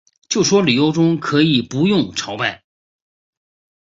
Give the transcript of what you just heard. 就说旅行中可以不用朝拜